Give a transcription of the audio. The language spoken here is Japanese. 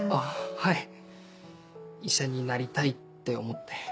はい医者になりたいって思って。